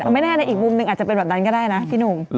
ไม่แน่ในอีกมุมหนึ่งอาจจะเป็นแบบนั้นก็ได้นะพี่หนุ่ม